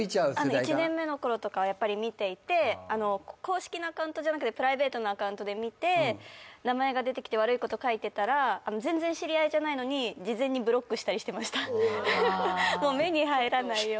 １年目のころとかは見ていて、公式のアカウントじゃなくてプライベートなアカウントで見て名前が出てきて悪いこと書いてたら全然知り合いじゃないのに事前にブロックしたりしてましたもう目に入らないように。